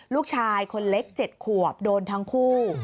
ลูกชายคนเล็ก๗ขวบโดนทั้งคู่